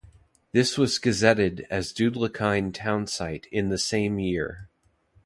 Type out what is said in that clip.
This was gazetted as the Doodlakine townsite in the same year.